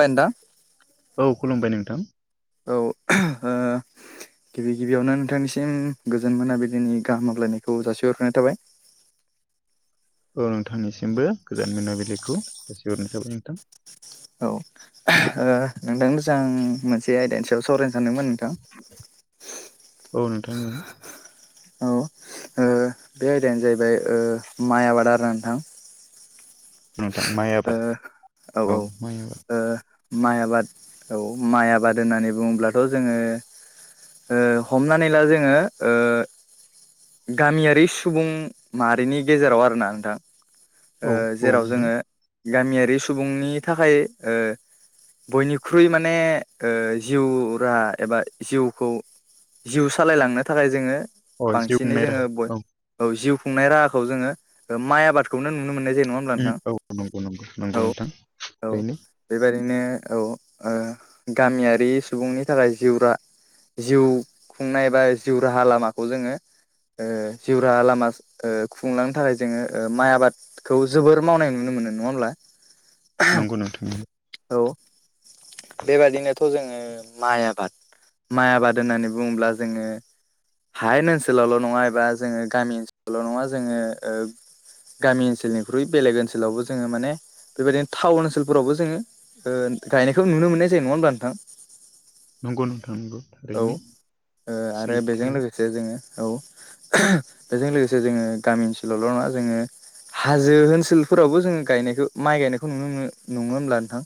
बाय ओनथां औ खुलुमबाय नोंथां औ ओ गिबि गिबियावनो नोंथांनिसिम गोजोन मोनाबिलिनि गाहाम हामलायनायखौ जासिहरखानाय थाबाय औ नोंथांनिसिमबो गोजोन मोनाबिलिखौ जासिहरनाय थाबाय नोंथां औ ओ नोंथांजोंसो आं मोनसे आयदानि सायाव सावराय सानदोंमोन नोंथां औ नोंथां औ औ ओ बे आयदायानो जाहैबाय ओ माइ आबाद आरोना नोंथां नोंथां माइ आबाद औ माइ आबाद माइ आबाद औ माइ आबाद होननानै बुङोब्लाथ' जोङो ओ हमनानै ला जोङो ओ गामियारि सुबुं माहारिनि गेजेराव आरोना नोंथां ओ औ औ जेराव नोंथां जोङो गामियारि सुबुंनि थाखाय ओ बयनिख्रुइ माने ओ जिउ राहा एबा जिउखौ जिउ सालायलांनो थाखाय जोङो अ जिउ बांसिनै खुंनाय राहा जोङो औ औ जिउ खुंनाय राहाखौ जोङो माइ आबादखौनो नुनो मोननाय जायो नङा होमब्ला उम नोंथां औ नंगौ नंगौ नंगौ नोंथां थारैनो बेबायादिनो औ ओ गामियारि सुबुंनि थाखाय जिउ रा जिउ खुंनाय बा जिउ राहा लामाखौ जोङो ओ जिउ राहा लामा ओ खुंलांनो थाखाय जोङो माइ आबाद खौ जोबोर मावनाय नुनो मोनो नङाहोनब्ला नंगौ नोंथां नोंगौ औ बेबादिनोथ' जोङो माइ आबाद माइ आबाद होननानै बुङोब्ला जोङो हायेन ओनसोलावल' नङा एबा जोङो गामि ओनसोलावल' नङा जोङो ओ गामि ओनसोलनिख्रुइ बेलेग ओनसोलावबो जोङो माने बेबायदिनो टाउन ओनसोलफोरावबो जोङो ओ गायनायखौ नुनो मोननाय जायो नङा होमब्ला नोंथां नंगौ नोंथां नंगौ औ ओ थारैनो आरो बेजों सैथो लोगोसे जोङो औ बेजों लोगोसे जोङो गामि ओनसोलावल' नङा जोङो हाजो ओनसोलफोरावबो जोङो गायनायखौ माइ गायनायखौ नुनो मोनो नङा होमब्ला नोंथां?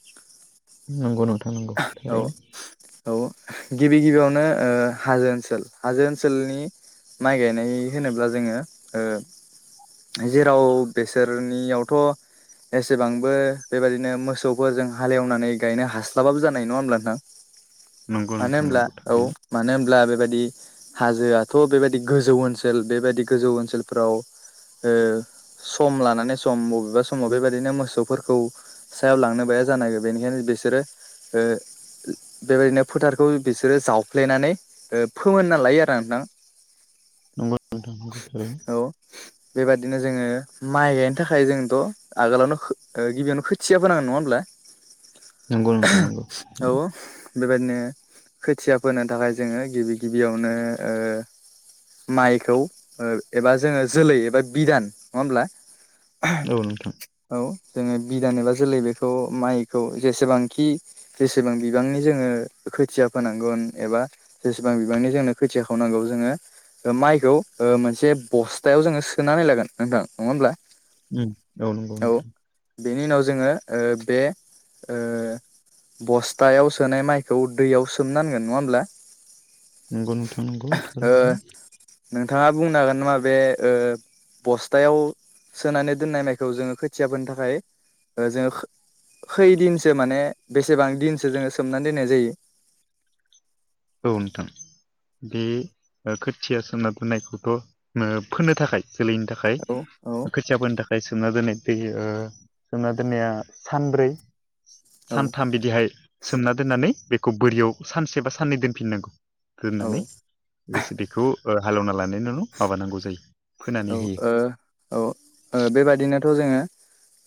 नंगौ नोंथां नंगौ औ थारैनो। औ गिबि गिबियावनो ओ हाजो ओनसोल हाजो ओनसोलनि माइ गायनाय होनोब्ला जोङो ओ जेराव बेसोरनियावथ' एसेबांबो बेबायदिनो मोसौफोरजों हालेवनानै गायनो हास्लाबाबो जानाय नङा होमब्ला नोंथां? नंगौ मानो नोंथां होनब्ला नंगौ औ थारैनो मानो होनब्ला बेबायदि हाजोआथ' बेबायदि गोजौ ओनसोल बेबायदि गोजौ ओनसोलफोराव ओ सम लानानै सम मबेबा समाव बेबादिनो मोसौफोरखौ सायाव लांनोबो हाया जानाय बेनिखायनो बिसोरो ओ बेबायदिनो फोथारखौ बिसोरो जावफ्लेनानै ओ फोमोनना लायो आरो नोंथां। [inaudible] नंगौ नोंथां नंगौ थारैनो। औ बेबादिनो जोङो माइ गायनो थाखाय जोंथ' आगोलावनो खो ओ गिबियावनो खोथिया फोनांगोन नङा होमब्ला? नंगौ नोंथां नंगौ औ बेबायदिनो खोथिया फोनो थाखाय जोङो गिबि गिबियावनो ओ माइखौ ओ एबा जोङो जोलै एबा बिदान नङा होमब्ला? औ नोंथां। औ जोङो बिदान एबा जोलै बेखौ माइखौ जेसेबां खि जेसेबां बिबांनि जोङो खोथिया फोनांगन एबा जेसेबां बिबांनि जोंनो खोथियाखौ नांगौ जोङो ओ माइखौ ओ मोनसे बस्थायाव जोङो सोनानै लागोन नोंथां नङा होमब्ला? उम औ नंगौ नोंथां। बेनि उनाव जोङो ओ बे ओ बस्थायाव सोनाय माइखौ दैयाव सोमनांगोन नङा होमब्ला? नंगौ नोंथां नंगौ ओ थारैनो। नोंथाङा बुंनो हागोन नामा बे ओ बस्थायाव सोनानै दोननाय माइखौ जोङो खोथिया फोनो थाखाय ओ जोङो खैदिनसो माने बेसेबां दिनसो जोङो सोमनानै दोननाय जायो? औ नोंथां। बे ओ खोथिया सोमना दोननायखौथ' फोनो थाखाय जोलैनि थाख खाय औ औ खोथिया फोनो थाखाय सोमना दोननाय दै ओ सोमना दोननाया सानब्रै औ सानथाम बिदिहाय सोमना दोननानै बेखौ बोरियाव सानसे बा साननै दोनफिननांगौ। दोननानै लोगोसे बेखौ ओ हालेवना [unintelligible] माबानांगौ जायो। फोनानै औ होयो। ओ औ ओ बेबादिनोथ' जोङो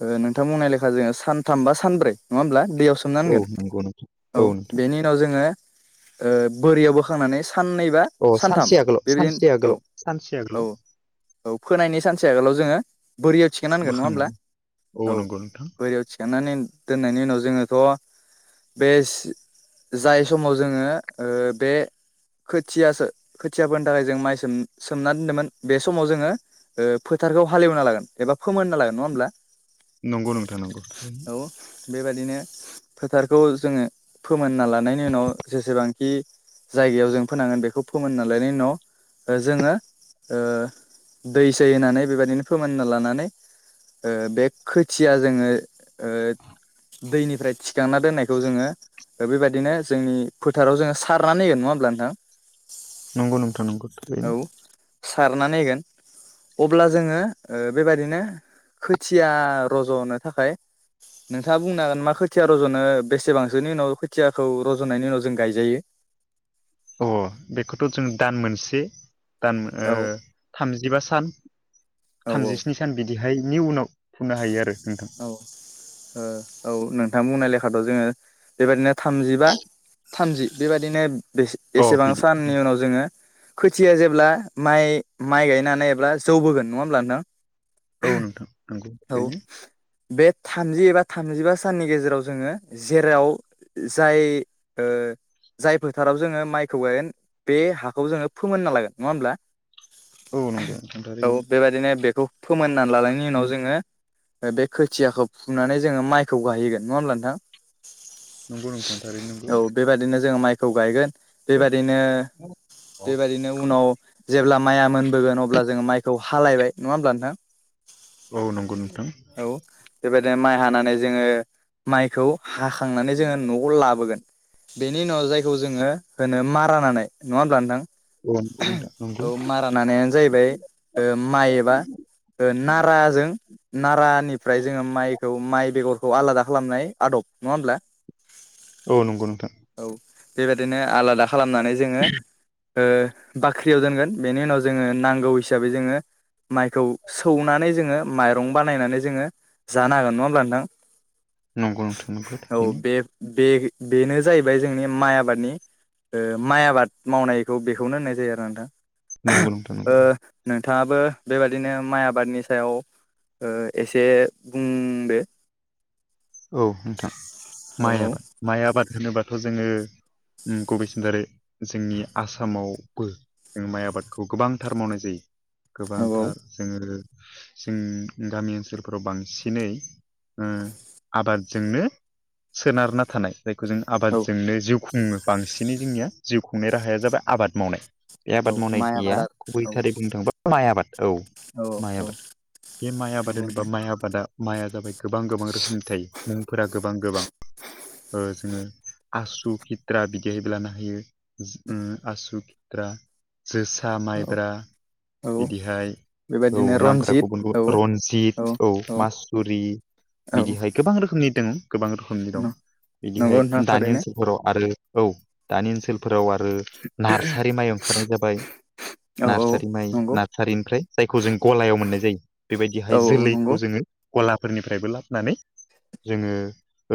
ओ नोंथां बुंनाय लेखा जोङो सानथाम बा सानब्रै नङा होमब्ला दैयाव सो औ सोमनांगोन नंगौ नोंथां औ नोंथां बेनि उनाव जोङो ओ बोरियाव बोखांनानै साननैबा अ सानसे आगोलाव सानसे आगोलाव सानसे औ आगोलाव। औ फोनायनि सानसे आगोलाव जोङो बोरियाव थिखोनानगोन नङा होमब्ला? बोखांनानै औ। नंगौ नोंथां बोरियाव थिखांनानै दोननायनि उनाव जोङोथ' बेस जाय समाव जोङो ओ बे खोथियासो खोथिया फोनो थाखाय जों माइ सोम सोमना दोनदोंमोन बेस समाव जोङो ओ फोथारखौ हालेवना लागोन एबा फोमोनना लागोन। नङा होमब्ला नंगौ नोंथां नंगौ थारैनो। औ बेबादिनो फोथारखौ जोङो फोमोनना लानायनि उनाव जेसेबांखि जायगायाव जों फोनांगोन बेखौ फोमोनना लानायनि उनाव ओ जोङो ओ दै सै होनानै बेबायदिनो फोमोनना लानानै ओ बे खोथिया जोङो ओ दैनिफ्राय थिखांना दोननायखौ जोङो ओ बेबायदिनो जोंनि फोथाराव जोङो सारनानै होगोन नङा होमब्ला नोंथां? नंगौ नोंथां नंगौ थारैनो। औ सारनानै होगोन अब्ला जोङो बेबादिनो खोथिया रज'नो थाखाय नोंथाङा बुंनो हागोन मा खोथिया रज'नो बेसेबांसोनि उनाव खोथियाखौ रज'नायनि उनाव जों गायजायो। अ बेखौथ' जों दान मोनसे दान ओ औ थामजिबा सान औ थामजिस्नि सान बिदिहायनि उनाव फुनो हायो आरो नोंथां। औ ओ औ नोंथां बुंनाय लेखाथ' जोङो बेबायदिनो थामजिबा थामजि बेबादिनो बेसे अ एसेबां बिदि साननि उनाव जोङो खोथिया जेब्ला माइ-माइ गायनो हानाय ब्ला जौबोगोन नङा होमब्ला नोंथां? औ नोंथां नंगौ औ ओरैनो बे थामजि एबा थामजिबा साननि गेजेराव जोङो जेराव जाय ओ जाय फोथाराव जोङो माइखौ गायगोन बे हाखौ जोङो फोमोनना लागोन नङा होमब्ला? औ नंगौ नोंथां औ थारैनो बेबायदिनो बेखौ फोमोनना लानायनि उनाव जोङो बे खोथियाखौ फुनानै जोङो माइखौ गायहैगोन नङा होमब्ला नोंथां? नंगौ नोंथां थारैनो औ नंगौ। बेबायदिनो जोङो माइखौ गायगोन बेबायदिनो- बेबायदिनो उनाव जेब्ला माइया मोनबोगोन अब्ला जोङो माइखौ हालायबाय नङा होमब्ला नोंथां औ नंगौ नोंथां। औ बेबायदिनो माइ हानानै जोङो माइखौ हाखांनानै जोङो न'आव लाबोगोन। बेनि उनाव जायखौ जोङो होनो मारा नानाय नङा होमब्ला नोंथां? औ नंगौ नोंथां नंगौ औ मारा नानायानो जाहैबाय माइ एबा नाराजों नारानिफ्राय जोङो माइखौ माइ बेगरखौ आलादा खालामनाय आदब नङा होमब्ला? ओम औ नंगौ नोंथां। औ बेबायदिनो आलादा खालामनानै जोङो ओ बाख्रियाव दोनगोन बेनि उनाव जोङो नांगौ हिसाबै जोङो माइखौ सौनानै जोङो माइरं बानायनानै जोङो जानो हागोन नङा होमब्ला नोंथां? नंगौ नोंथां नंगौ औ थारैनो। बे बे - बेनो जाहैबाय जोंनि माइ आबादनि ओ माइ आबाद मावनायखौ बेखौनो होननाय जायो आरो नोंथां। नंगौ नोंथां ओ नंगौ नोंथाङाबो बेबादिनो माइ आबादनि सायाव ओ एसे बुं औ नोंथां औ माइ औ आबाद माइ आबाद होनोबाथ' जोङो गुबै सिन दारै जोंनि आसामावबो जों माइ आबादखौ गोबांथार मावनाय जायो औ गोबांथार जोङो जों गामि ओनसोलफोराव बांसिनै ओ आबादजोंनो सोनारना थानाय जायखौ जों औ औ आबादजोंनो जिउ- खुङो बांसिनै जोंनिया जिउ खुंनाय राहाया जाबाय आबाद मावनाय बे औ आबाद माइ मावनायनिया आबादा गुबै औ थारै बुंनो थाङोबा माइ आबाद औ औ माइ औ आबाद बे माइ आबाद नंगौ होनोबा नोंथां माइ आबादा माइआ जाबाय गोबां गोबां रोखोमनि थायो मुंफोरा गोबां गोबां ओ जोङो आसु खिथ्रा बिदिेहायबो लानो हायो। उम आसु खिता जोसा औ माइब्रा। औ बिदिहाय। औ बेबायदिनो नामफोरा रन्जित गुबुन औ गुबुन रनजित औ मासुरि औ बिदिहाय गोबां रोखोमनि दङ गोबां रोखोमनि दं नंगौ बिदिहाय नोंथां दानि थारैनो ओनसोल फोराव आरो औ दानि ओनसोलफोराव आरो नारर्सारि माइ ओंखारनाय जाबाय। औ औ नार्सारि माइ नंगौ नार्सारिनिफ्राय जायखौ जों गलायाव मोननाय जायो। औ बेबायदिहाय औ नंगौ जोलैखौ जोङो गलाफोरनिफ्रायबो लाबनानै जोङो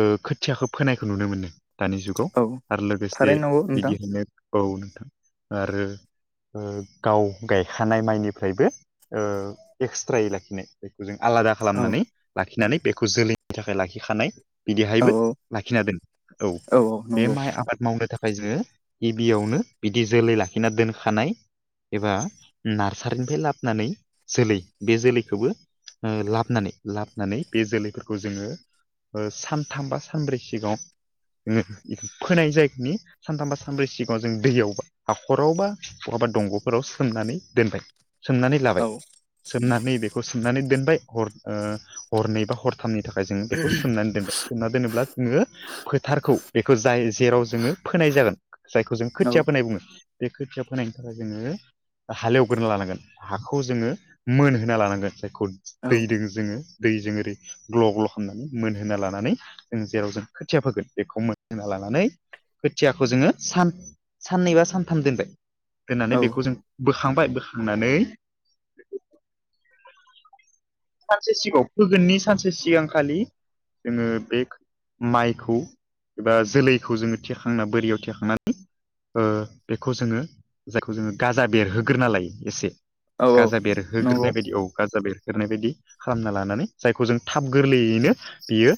ओ खोथियाखौ फोनायखौ नुनो मोनो दानि जुग गाव औ आरो लोगोसे थारैनो नंगौ नोंथां बिदिहायनो औ नोंथां आरो ओ गाव गायखानाय माइनिफ्रायबो ओ एक्सट्रायै लाखिनाय बेखौ जों आलादा औ खालामनानै लाखिनानै बेखौ जोलैनि थाखाय लाखिखानाय औ बिदिहायबो औ लाखिनादोन औ बे माइ आबाद मावनो थाखाय जोङो गिबियावनो बिदि जोलै लाखिना दोनखानाय एबा नार्सारिनिफ्राय लाबोनानै जोलै बे जोलैखौबो ओ लाबनानै लाबोनानै बे जोलै फोरख खौ जोङो ओ सानथाम बा सानब्रै सिगाङाव ङो फोनाय जायगानि। सानथामबा सानब्रै सिगाङाव जों दैयावबा हाखराव बा बहाबा दंग फोराव सोमनानै दोनबाय। सोमनानै लाबाय औ सोमनानै बेखौ सोमनानै दोनबाय हर ओ बेखौ हरनैबा हर थामनि थाखाय जों बेखौ सोमनानै दोनबाय सोंमना दोनोब्ला जोङो फोथारखौ बेखौ जाय जेराव जोङो फोनाय जागोन जायखौ जोंओ औ खोथिया फोनाय बुङो। बे खोथिया फोनायनि थाखाय जोङो। हालेवग्रोना लानांगोन हाखौ जोङो मोनहोना लानांगोन जाय खौ औ दैदों जोङो दैजों ओरै ग्ल ग्ल खालामनानै मोनहोना लानानै जों जेराव जों खोथिया फोगोन बेखौ मोनहोना लानानै खोथियाखौ जोङो सान साननै बा सानथाम दोनबाय। दोननानै औ बेखौ जों बोखांबाय बोखांनानै सानसे सिगाङाव फोगोननि सानसे सिगांखालि जोङो बे खो माइखौ एबा जोलैखौ जोङो थेखांना एबा बोरियाव थेखांनानै ओ बेखौ जोङो जायखौ जोङो गाजा बेरहोग्रोना लायो एसे गाजा नंगौ बेरहोग्रोनाय बायदि औ गाजा बेरह्रोग्रोनाय बायदि खालामना लानानै जायखौ जों थाब गोरलैयैनो बियो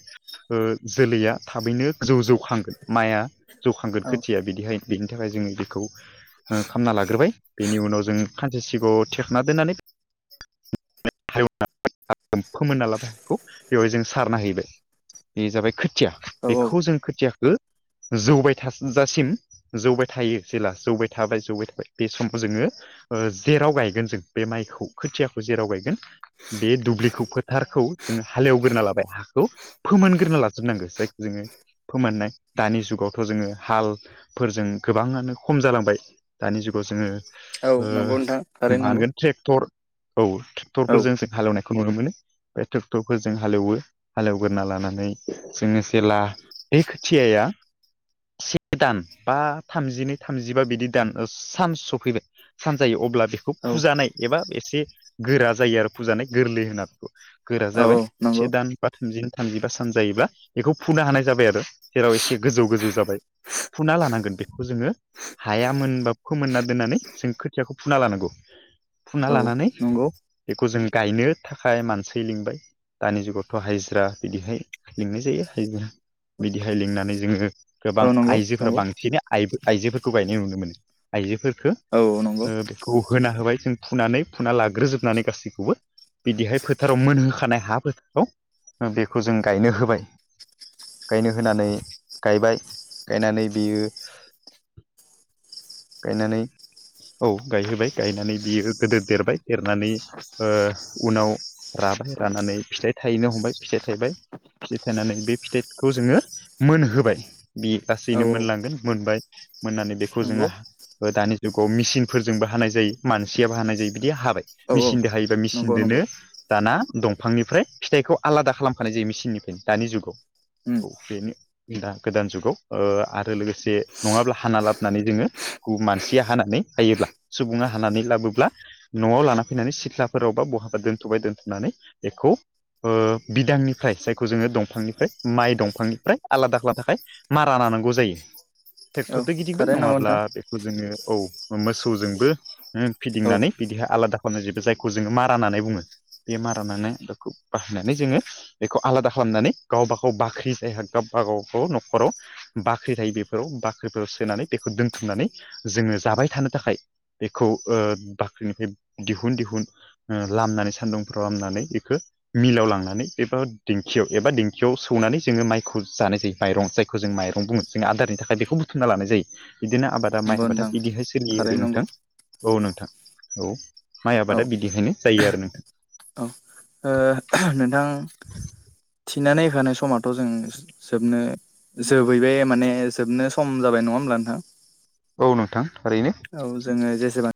ओ जोलैया थाबैनो जौ जौखांगोन माइआ जौखांगोन औ खोथिया बिदिहाय बेनि थाखाय जोङो बेखौ ओ खामना लाग्रोबाय बेनि उनाव जों खानसे सिगाङाव थेखांना दोननानै हायाव फोमोनना लाबाय हाखौ बेवहाय जोंओ सारना हैबाय बे जाबाय खो थिया औ औ बेखौ जों खोथियाखो जौबाय थाजासिम जौबाय थायो जेला जौबाय थाबाय जौबाय थाबाय बे समाव जोङो ओ जेराव गायगोन जों बे माइखौ खोथियाखौ जेराव गायगोन बे दुब्लिखौ फोथारखौ जोङो हालेवग्रोना लाबाय हाखौ फोमोनग्रोना लाजोबनांगो जायखौ जोङो फोमोननाय दानि जुगावथ जोङो हालफोरजों गोबाङानो खम जालांबाय। दानि जुगाव जोङो औ ओ नंगौ नोंथां थारैनो मा नंगौ होनगोन। ट्रेक्टर औ औ ट्रेक्टरफोरजोंसो हालेवनायखौ नुनो मोनो। बे ट्रेक्टरफोरजों हालेवो हालेवगोरना लानानै जोङो जेला। बे खोथियाया। से दान बा थामजिनै थामजिबा बिदि दान सान सफैबाय। सानजायो अब्ला बेखौ औ फुजानाय एबा एसे गोरा जायो आरोफ फुजानाय गोरलै होनना बेखौ गोरा औ जाबाय औ नंगौ से दान बा थामजि थामजिबा सान जायोब्ला बेखौ फुनो हानाय जाबाय आरो जेराव एसे गोजौ गोजौ जाबाय। फुना लानांगोन बेखौ जोङो। हाया मोनबा फोमोनना दोननानै जों खोथियाखौ फुना लानांगौ। फुना औ लानानै नंगौ बेखौ जों गायनो थाखाय मानसि लिंबाय। दानि जुगावथ' हायजिरा बिदिहाय लिंनाय जायो हायजिरा बिदिहाय लिंनानै जोङो। गोबां औ नंगौ आइजोफोरा नंगौ बांसिनै आइ आइजोफोरखौ गायनाय नुनो मोनो आइजोफोरखौ। औ नंगौ बेखौ होना होबाय जों फुनानै फुना लाग्रोजोबनानै गासैखौबो। बिदिहाय फोथाराव मोनहोखानाय हा फोथाराव बेखौ जों गायनो होबाय। गायनो होनानै गायबाय गायनानै बियो। गायनानै औ गायहोबाय गायनानै बियो गोदो देरबाय देरनानै। उनाव राबाय रानानै फिथाइ थायैनो हमबाय फिथाइ थायबाय। फिथाइ थनानै बे फिथाइखौ जोङो मोनहोबाय बे औ लाासैनो मोनलांगोन मोनबाय। मोननानै बेखौ नंगौ जोङो। दानि जुगाव मेसििनफोरजोंबो हानाय जायो मानसियाबो हानाय जायो बिदि हाबाय औ औ मेसििनजों हायो। ा नंगौ मेचिनजोंोननो। नंगौ दाना दंफांनिफ्राय फिथाइखौ आलादा खालामफानाय जायो मेसििननिफ्रायनो दानि जुगाव। उम औ बेनोा गोदान जुगाव आरो लोगोसे नङाब्ला हाना लाबोनानै जोङो। मानसिया हानानै हायोब्ला सुबुङा हानानै लाबोब्ला। न'आव लाना फैनानै सिख्लाफोरावबा बहाबा दोन्थ'बाय दोनथुमनानै बेखौ। बिदांनिफ्राय जायखौ जोङो दंफांनिफ्राय माइ दंफांनिफ्राय आलादा आलादा थाखाय। मारा लानांगौ जायो औ ट्रेक्टरद गिदिंबाय थारैनो नंगौ नङाब्ला नोंथां बेखौ। जोङो औ मोसौजोंबो। औ फिदिंनानै बिदिहाय आलादा खालामनायजोबो जायखौ जोङो मारा होननानै बुङो। बेमारानानै बेखौ बाहायनानै जोङो। बेखौ आलादा खालामनानै गावबा गाव बाख्रि जायहा गावब गाव गाव न'खराव। बाख्रि थायो बेफोराव। बाख्रिफोराव सोनानै बेखौ दोनथुमनानै जोङो जाबाय थानो थाखाय बेखौ बाख्रिनिफ्राय दिहुन दिहुन। लामनानै सान्दुंफ्राव लामनानै बेखौ। मिलाव लांनानै एबा दिंखियाव एबा दिंखियाव सौनानै जोङो माइखौ जानाय जायो माइरं जायो। जों माइरं बुङो जों आदारनि थाखाय बेखौ बुथुमना लानाय जायो बिदिनो आबाद। बा माइ नंगौ आबादा नोंथां बिदिहाय सोलियो आरो थारैनो नंगौ नोंथां। औ नोंथां औ माइ औ आबादा बिदिहायनो जायो आरो नोंथां। औ ओ। नोंथां थिनानै होखानाय समथ' जों जोबनो। जोबहैबाय माने जोबनो सम जाबाय नङा होमब्ला नोंथां। औ नोंथां थारैनो। औ जोङो जेसेबां।